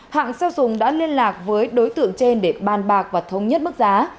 hạng xeo sùng đã liên lạc với đối tượng trên để ban bạc và thông nhất mức giá